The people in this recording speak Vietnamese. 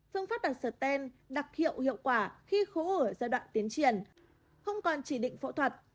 phương pháp đặt sở tem đặc hiệu hiệu quả khi khố ở giai đoạn tiến triển không còn chỉ định phẫu thuật